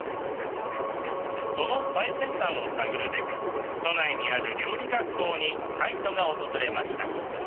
その最先端を探るべく都内にある料理学校にカイトが訪れました。